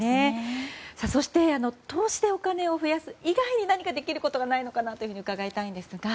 そして投資でお金を増やす以外に何かできることはないのかなと伺いたいんですが。